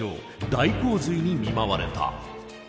大洪水に見舞われた。